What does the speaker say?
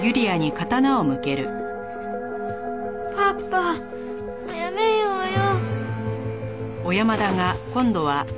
パパもうやめようよ。